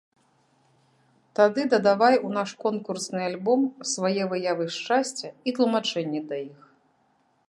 Тады дадавай ў наш конкурсны альбом свае выявы шчасця і тлумачэнні да іх.